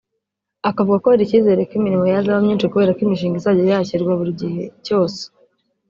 Akavuga ko hari ikizere ko imirimo yazaba myinshi kubera ko imishinga izajya yakirwa buri gihe cyose